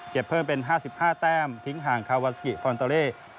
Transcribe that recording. เพิ่มเป็น๕๕แต้มทิ้งห่างคาวาซากิฟอนโตเล่